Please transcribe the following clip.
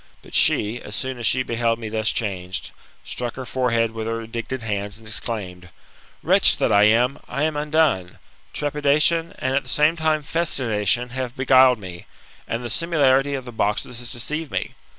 But she, as soon as she beheld me thus changed, struck her forehead with her indignant hands, and exclaimed, ''Wretch that I am, I am undone 1 Trepidation, and at the same time festination, have beguiled me, and the similitude of the boxes has deceived me.